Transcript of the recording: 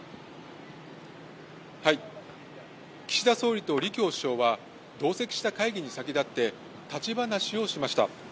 岸田総理と李強首相は同席した会議に先立って立ち話をしました。